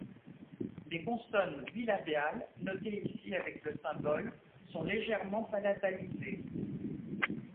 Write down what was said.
Les consonnes bilabiales, notées ici avec le symbole sont légèrement palatalisées.